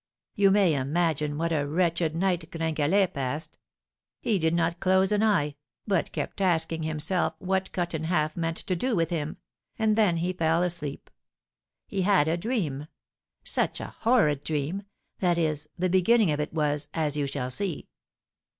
You may imagine what a wretched night Gringalet passed. He did not close an eye, but kept asking himself what Cut in Half meant to do with him, and then he fell asleep. He had a dream, such a horrid dream, that is, the beginning of it was, as you shall see.